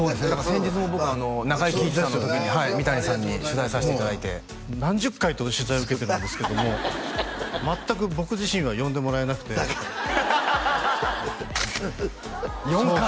先日も僕中井貴一さんの時にはい三谷さんに取材させていただいて何十回と取材を受けてるんですけども全く僕自身は呼んでもらえなくてハハハハ４回？